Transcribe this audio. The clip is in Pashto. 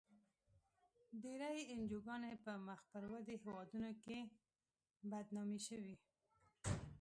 ډېری انجوګانې په مخ پر ودې هېوادونو کې بدنامې شوې.